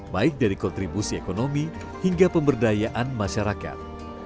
baik dari kontribusi ekonomi hingga pemberdayaan masyarakat